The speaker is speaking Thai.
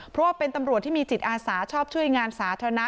เพราะว่าเป็นตำรวจที่มีจิตอาสาชอบช่วยงานสาธารณะ